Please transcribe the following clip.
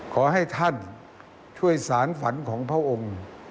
ขอให้ท่านช่วยสารฝันของพระองค์